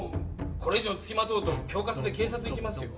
これ以上つきまとうと恐喝で警察行きますよ。